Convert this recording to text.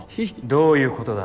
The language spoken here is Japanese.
どういうことだ？